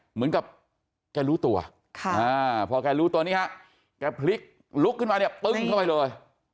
เหมือนกับแกรู้ตัวพอแกรู้ตัวนี้ฮะแกพลิกลุกขึ้นมาเนี่ยปึ้งเข้าไปเลย